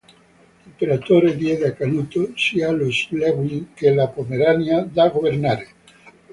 L'imperatore diede a Canuto sia lo Schleswig che la Pomerania da governare.